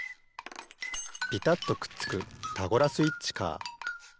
ピタッとくっつくタゴラスイッチカー。